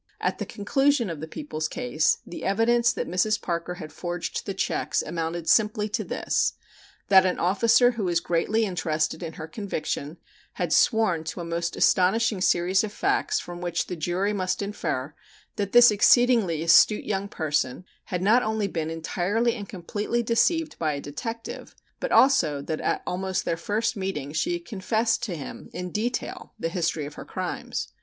At the conclusion of the People's case the evidence that Mrs. Parker had forged the checks amounted simply to this: That an officer who was greatly interested in her conviction had sworn to a most astonishing series of facts from which the jury must infer that this exceedingly astute young person had not only been entirely and completely deceived by a detective, but also that at almost their first meeting she had confessed to him in detail the history of her crimes.